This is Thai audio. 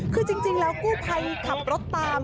คือจริงแล้วกู้ภัยขับรถตาม